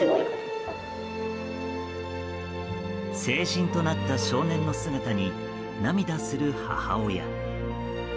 成人となった少年の姿に涙する母親。